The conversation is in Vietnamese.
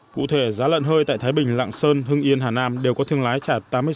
cụ thể giá lợn hơi tại thái bình lạng sơn hưng yên hà nam đều có thương lái trả tám mươi sáu tám mươi bảy đồng một kg